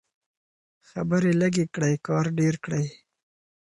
خبرې لږې کړئ کار ډېر کړئ.